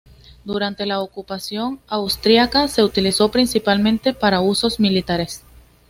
Durante la ocupación austriaca, se utilizó principalmente para usos militares.